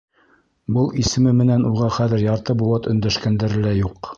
Был исеме менән уға хәҙер ярты быуат өндәшкәндәре лә юҡ...